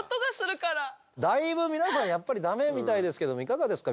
だいぶ皆さんやっぱりダメみたいですけどいかがですか？